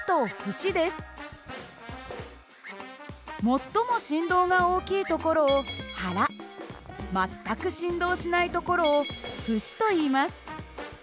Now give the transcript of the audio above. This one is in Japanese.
最も振動が大きい所を腹全く振動しない所を節といいます。